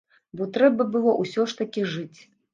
Бо трэба было ўсё ж такі жыць.